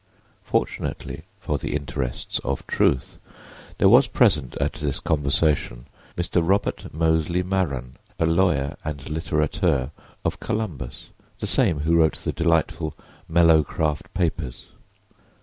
Fortunately for the interests of truth there was present at this conversation Mr. Robert Mosely Maren, a lawyer and littérateur of Columbus, the same who wrote the delightful "Mellowcraft Papers."